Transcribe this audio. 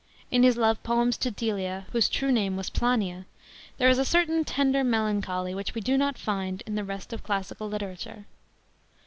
In his love poems to Delia,J whose true name was Plania, there is a certain tender melancholy which we do not find in the rest of classical literature.